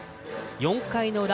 ４回の裏